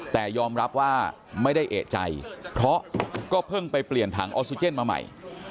แต่ยอมรับว่าไม่ได้เอกใจเพราะก็เพิ่งไปเปลี่ยนถังออกซิเจนมาใหม่